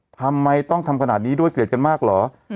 ทำไมต้องทำขนาดนี้ด้วยเกลียดกันมากเหรอ